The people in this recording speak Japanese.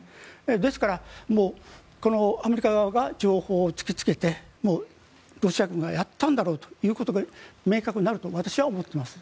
ですからアメリカ側が情報を突きつけてロシア軍がやったんだろうということが明確になると私は思っています。